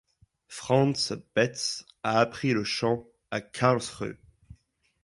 Franz Betz a appris le chant à Karlsruhe.